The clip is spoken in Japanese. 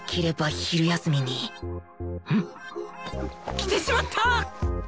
着てしまった！？